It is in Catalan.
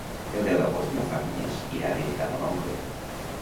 El deu d'agost na Farners irà a visitar mon oncle.